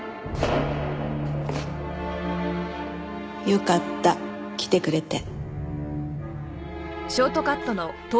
よかった来てくれて。